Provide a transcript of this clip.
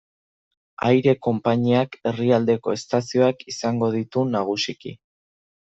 Aire konpainiak herrialdeko estazioak izango ditu nagusiki.